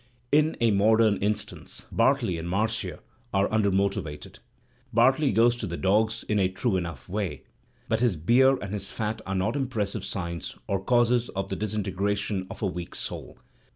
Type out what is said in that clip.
In "A Modem Instance," Bartley andMarcia are under motiyed' Bartley goes to the dogs in a true enough way, but his beer and his fat are not impressive signs or causes of the disintegration of a weak soul.